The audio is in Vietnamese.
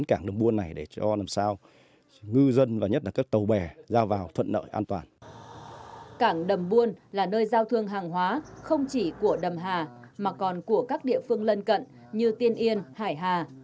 cảng đầm buôn là nơi giao thương hàng hóa không chỉ của đầm hà mà còn của các địa phương lân cận như tiên yên hải hà